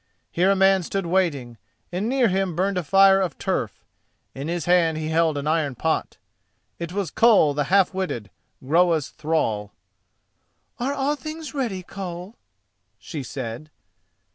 Here a man stood waiting, and near him burned a fire of turf. In his hand he held an iron pot. It was Koll the Half witted, Groa's thrall. "Are all things ready, Koll?" she said.